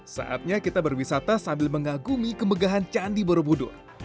saatnya kita berwisata sambil mengagumi kemegahan candi borobudur